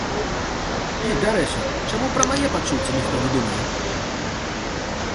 І, дарэчы, чаму пра мае пачуцці ніхто не думае?